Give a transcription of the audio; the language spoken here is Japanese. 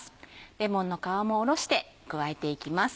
レモンの皮もおろして加えていきます。